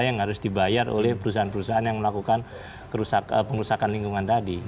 yang harus dibayar oleh perusahaan perusahaan yang melakukan pengurusakan lingkungan tadi